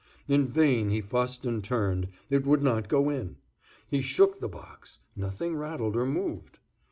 In vain he fussed and turned—it would not go in. He shook the box; nothing rattled or moved.